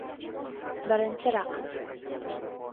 Birinchi raqs.